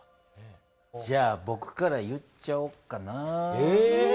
じゃあぼくから言っちゃおっかな。